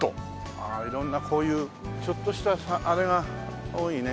ああ色んなこういうちょっとしたあれが多いね